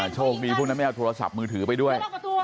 โชคดีพวกนั้นไม่เอาโทรศัพท์มือถือไปด้วย